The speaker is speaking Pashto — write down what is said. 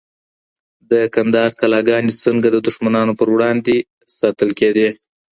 د کندهار کلاګانې څنګه د دښمنانو پر وړاندې ساتل کيدې؟